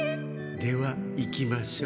では行きましょう。